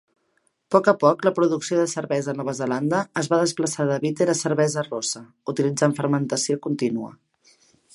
Poc a poc, la producció de cervesa a Nova Zelanda es va desplaçar de bíter a cervesa rossa, utilitzant fermentació contínua.